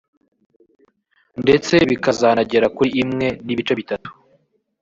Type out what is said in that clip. ndetse bikazanagera kuri imwe n’ibice bitanu